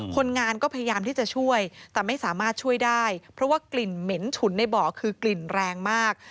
คนงานก็พยายามที่จะช่วยแต่ไม่สามารถช่วยได้เพราะว่ากลิ่นเหม็นฉุนในบ่อคือกลิ่นแรงมาก